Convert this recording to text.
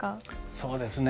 そうですね。